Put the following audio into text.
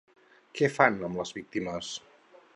Què fan amb les víctimes?